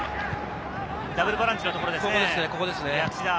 ダブルボランチのところですね。